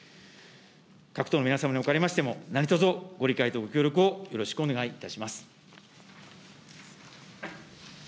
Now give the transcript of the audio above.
各党の皆様におかれましても、何とぞ、ご理解とご協力をよろしくお願いいたします。